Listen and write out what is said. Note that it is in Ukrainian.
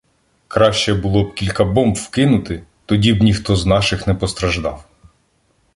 Краще було кілька бомб вкинути — тоді б ніхто з наших не постраждав.